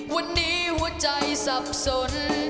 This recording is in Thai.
วันนี้หัวใจสับสน